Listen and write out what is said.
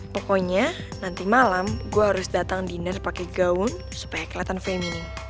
pokoknya nanti malam gue harus datang diner pake gaun supaya keliatan feminim